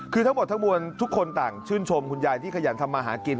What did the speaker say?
คือทั้งหมดทั้งมวลทุกคนต่างชื่นชมคุณยายที่ขยันทำมาหากิน